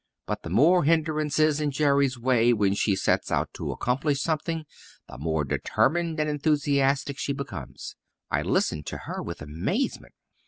But the more hindrances in Jerry's way when she sets out to accomplish something the more determined and enthusiastic she becomes. I listened to her with amazement.